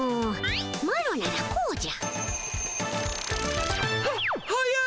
マロならこうじゃ。は速い！